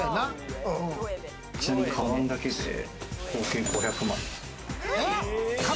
ちなみにカバンだけで合計５００万円。